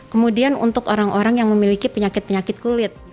kemudian untuk orang orang yang memiliki penyakit penyakit kulit